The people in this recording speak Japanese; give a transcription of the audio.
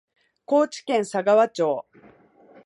高知県佐川町